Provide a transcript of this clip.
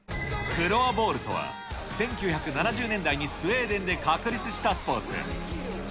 フロアボールとは、１９７０年代にスウェーデンで確立したスポーツ。